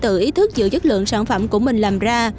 tự ý thức giữ chất lượng sản phẩm của mình làm ra